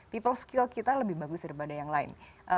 people skill kita lebih bagus daripada yang lain